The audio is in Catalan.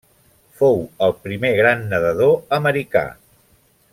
Fou el primer gran nedador americà.